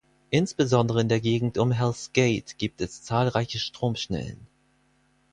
Insbesondere in der Gegend um Hells Gate gibt es zahlreiche Stromschnellen.